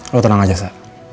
lo tenang aja sa